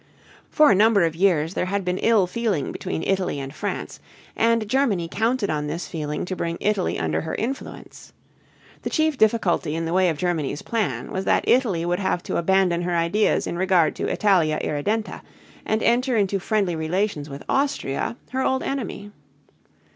For a number of years there had been ill feeling between Italy and France, and Germany counted on this feeling to bring Italy under her influence. The chief difficulty in the way of Germany's plan was that Italy would have to abandon her ideas in regard to Italia Irredenta and enter into friendly relations with Austria, her old enemy.